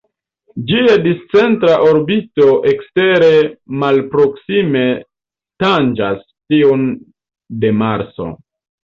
Ĝia discentra orbito ekstere malproksime tanĝas tiun de Marso.